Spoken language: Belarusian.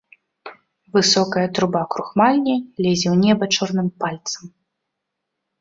Высокая труба крухмальні лезе ў неба чорным пальцам.